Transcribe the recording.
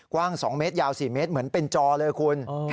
กว้าง๒เมตรยาว๔เมตรเหมือนเป็นจอเลยคุณ